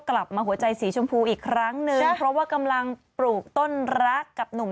กลับมาหัวใจสีชมพูอีกครั้งหนึ่งเพราะว่ากำลังปลูกต้นรักกับหนุ่ม